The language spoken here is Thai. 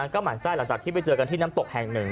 ก็หมั่นไส้หลังจากที่ไปเจอกันที่น้ำตกแห่งหนึ่ง